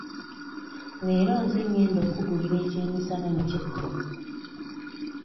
Leero nze ngenda okkugulira ekyemisana n'ekyeggulo.